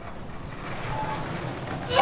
زه اوس بازار ته ځم.